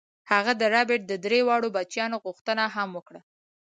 هغه د ربیټ د درې واړو بچیانو غوښتنه هم وکړه